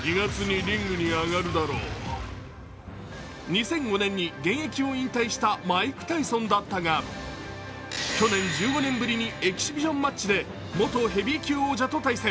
２００５年に現役を引退したマイク・タイソンだったが去年、１５年ぶりにエキシビジョンマッチで元ヘビー級王者と対戦。